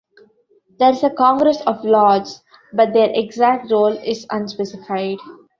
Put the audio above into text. There is a Congress of Lords, but their exact role is unspecified.